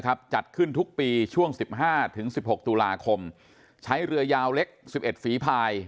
จัดขึ้นทุกปีช่วง๑๕๑๖ตุลาคมใช้เรือยาวเล็ก๑๑ฝีภาย